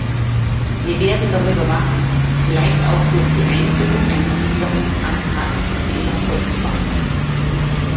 Wir werden darüber wachen, vielleicht auch durch die Einbringung eines Änderungsantrags zum Thema Volkswagen.